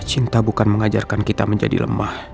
cinta bukan mengajarkan kita menjadi lemah